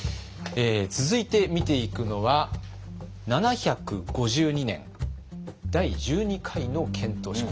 続いて見ていくのは７５２年第１２回の遣唐使。